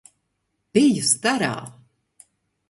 Biju starā!